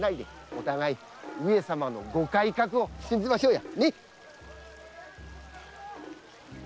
お互い上様のご改革を信じましょうや。